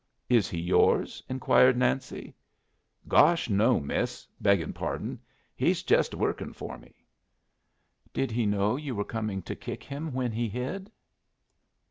"Is he yours?" inquired Nancy. "Gosh! no, miss beggin' pardon. He's jest workin' for me." "Did he know you were coming to kick him when he hid?"